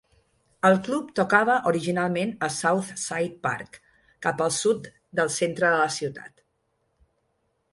El club tocava originalment a South Side Park, cap al sud del centre de la ciutat.